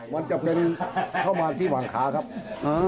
มันจะเป็นเข้ามาที่หวังขาครับ